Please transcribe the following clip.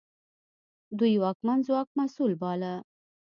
دوی واکمن ځواک مسوول باله.